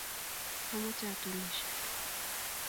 amache atunishe